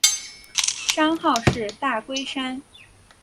山号是大龟山。